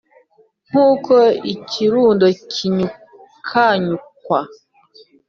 Nk uko ikirundo kinyukanyukwa